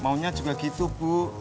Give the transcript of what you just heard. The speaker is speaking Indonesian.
maunya juga gitu bu